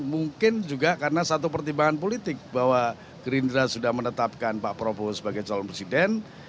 mungkin juga karena satu pertimbangan politik bahwa gerindra sudah menetapkan pak prabowo sebagai calon presiden